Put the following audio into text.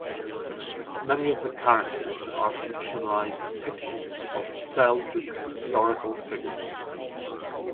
Many of the characters are fictionalized depictions of Seljuk historical figures.